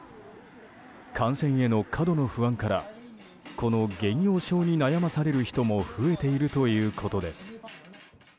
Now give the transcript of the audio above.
感染への過度の不安からこの幻陽症に悩まされる人も増えているということです。